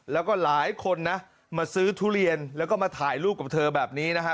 แล้วก็หลายคนนะมาซื้อทุเรียนแล้วก็มาถ่ายรูปกับเธอแบบนี้นะฮะ